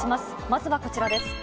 まずはこちらです。